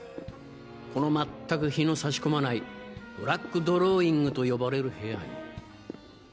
この全く日の差し込まないブラック・ドローイングと呼ばれる部屋に。